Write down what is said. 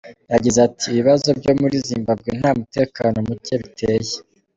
Yagize ati “Ibibazo byo muri Zimbabwe nta mutekano muke biteye.